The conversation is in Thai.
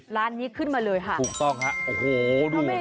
ร้านนี้ขึ้นมาเลยค่ะหุ้กต้องค่ะโอ้โฮลูกขาว